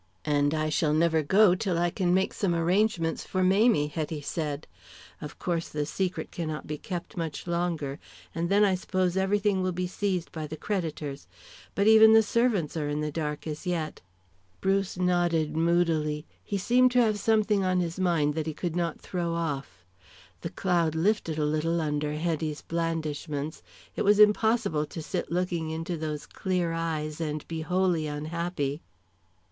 "And I shall never go till I can make some arrangements for Mamie," Hetty said. "Of course the secret cannot be kept much longer, and then I suppose everything will be seized by the creditors. But even the servants are in the dark as yet." Bruce nodded moodily. He seemed to have something on his mind that he could not throw off. The cloud lifted a little under Hetty's blandishments; it was impossible to sit looking into those clear eyes and be wholly unhappy.